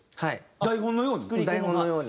台本のように？